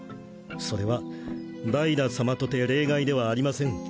それはダイダ様とて例外ではありません